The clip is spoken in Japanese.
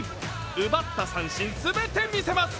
奪った三振、全て見せます。